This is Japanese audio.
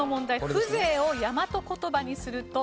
「風情を大和言葉にすると？」。